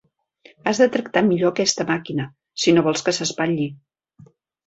Has de tractar millor aquesta màquina, si no vols que s'espatlli.